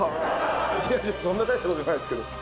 違う違うそんな大したことじゃないですけど。